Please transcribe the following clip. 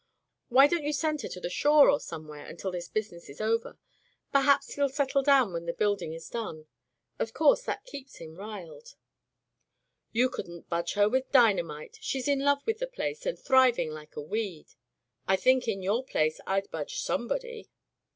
"Why don't you send her to the shore or [ 330 ] Digitized by LjOOQ IC Turned Out to Grass somewhere until this business is over ? Per haps he'll settle down when the building is done. Of course that keeps him riled/' '*You couldn't budge her with dynamite. She's in love with the place, and thriving like a weed." "I think, in your place, Fd budge some body.''